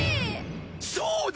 そうだ！